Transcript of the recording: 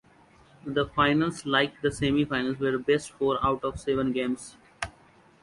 The finals, like the semifinals, were best four-out-of-seven games.